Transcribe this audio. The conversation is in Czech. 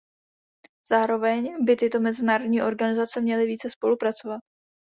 Zároveň by tyto mezinárodní organizace měly více spolupracovat.